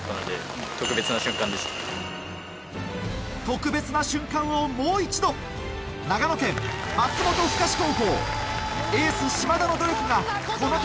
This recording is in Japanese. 特別な瞬間をもう一度長野県松本深志